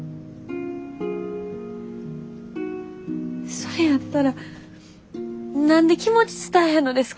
それやったら何で気持ち伝えへんのですか？